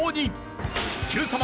『Ｑさま！！』